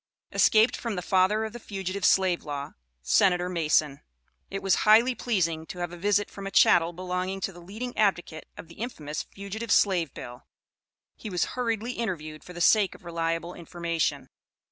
Escaped from the Father of the Fugitive Slave Law Senator Mason. It was highly pleasing to have a visit from a "chattel" belonging to the leading advocate of the infamous Fugitive Slave Bill. He was hurriedly interviewed for the sake of reliable information.